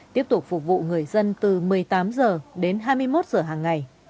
tiếp tục phục vụ người dân từ một mươi tám h đến hai mươi một h hàng ngày